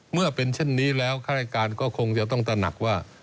เมื่อเป็นเช่นนี้แล้วข้าราชการก็คงจะต้องตระหนักว่า